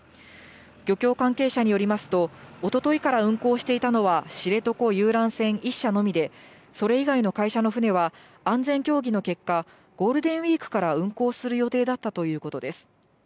漁協関係者によりますと、おとといから運航していたのは、知床遊覧船１社のみで、それ以外の会社の船は、安全協議の結果、ゴールデンウィークから運航する予定だったということです。